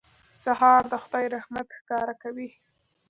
سهار د خدای رحمت ښکاره کوي.